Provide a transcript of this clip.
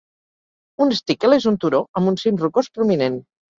Un "stickle" és un turó amb un cim rocós prominent.